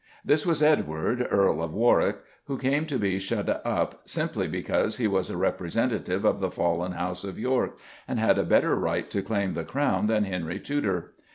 This was Edward, Earl of Warwick, who came to be shut up simply because he was a representative of the fallen house of York and had a better right to claim the Crown than Henry Tudor.